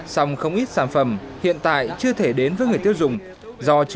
song không ít sản phẩm hiện tại chưa thể đến với người tiêu dùng